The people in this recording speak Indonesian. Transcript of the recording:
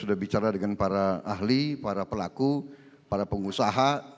sudah bicara dengan para ahli para pelaku para pengusaha